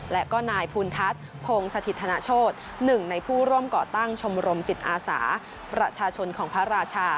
และก็นายภูณทัศน์พงศถิตธนโชธ๑ในผู้ร่วมก่อตั้งชมรมจิตอาสาประชาชนของพระราชา